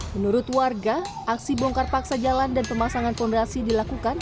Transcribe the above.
menurut warga aksi bongkar paksa jalan dan pemasangan fondasi dilakukan